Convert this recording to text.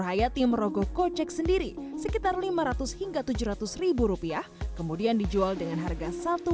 hayati merogoh kocek sendiri sekitar lima ratus hingga tujuh ratus rupiah kemudian dijual dengan harga